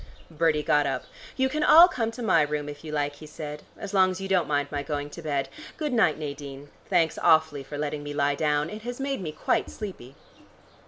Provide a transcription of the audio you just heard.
Bertie got up. "You can all come to my room if you like," he said, "as long as you don't mind my going to bed. Good night, Nadine; thanks awfully for letting me lie down. It has made me quite sleepy."